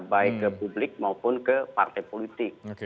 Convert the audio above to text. baik ke publik maupun ke partai politik